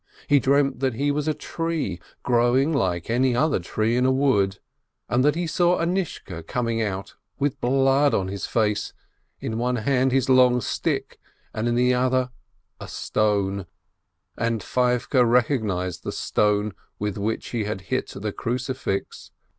He dreamt that he was a tree, growing like any other tree in a wood, and that he saw Anishka coming along with blood on his face, in one hand his long stick, and in the other a stone — and Feivke recognized the stone with which he had hit the crucifix.